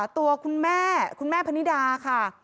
ตัวคุณแม่คุณแม่พนิดาค่ะ